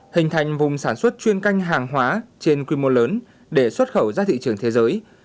hình thành vùng sản xuất chuyên canh hàng hóa trên quy mô lớn để xuất khẩu ra thị trường thế giới